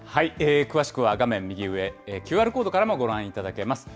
詳しくは画面右上、ＱＲコードからもご覧いただけます。